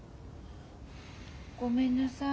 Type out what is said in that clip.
ごめんなさい。